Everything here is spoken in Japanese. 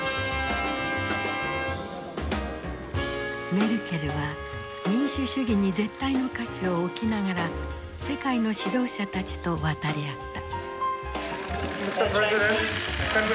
メルケルは民主主義に絶対の価値を置きながら世界の指導者たちと渡り合った。